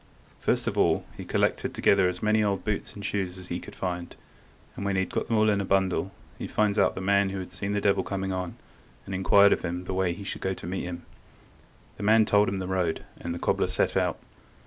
First of all he collected together as many old boots and shoes as he could find, and when he had got them all in a bundle, he finds out the man who had seen the devil coming on, and inquired of him the way he should go to meet him. The man told him the road, and the cobbler set out.